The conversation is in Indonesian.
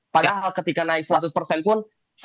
padahal ketika naik seratus persen pun